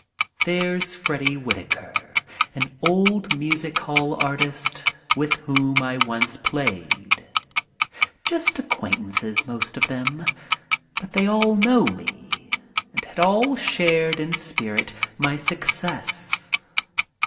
There's Freddy Whittaker, an old music hall artist with whom I once played. Just acquaintances, most of them, but they all knew me, and had all shared, in spirit, my success.